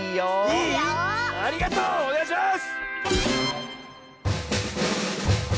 いい⁉ありがとう！おねがいします！